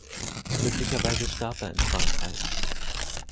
Möglicherweise starb er in Frankreich.